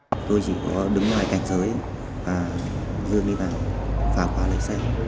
tôi chỉ có đứng ngoài cảnh giới và dư đi vào vào quả lấy xe